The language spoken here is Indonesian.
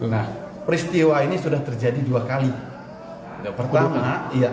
nah peristiwa ini sudah terjadi dua kali